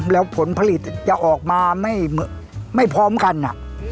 แล้วผลผลิตจะออกมาไม่ไม่พร้อมกันอ่ะอ๋อ